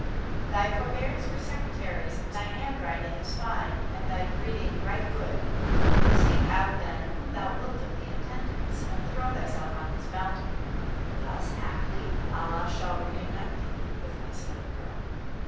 Thy forbears were Secretaries and Scribes and thy handwriting is fine and thy breeding right good: seek out, then, whom thou wilt of the Intendants[FN#40] and throw thyself on his bounty; thus haply Allah shall reunite thee with thy slave girl.'